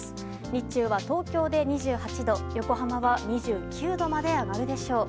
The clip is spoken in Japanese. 日中は、東京で２８度横浜は２９度まで上がるでしょう。